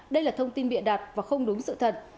đây là thông tin bịa đặt và không đúng sự thật